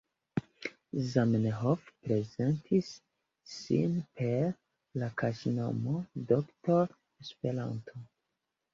Zamenhof, prezentis sin per la kaŝnomo Doktoro Esperanto.